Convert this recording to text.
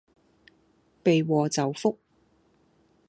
避禍就福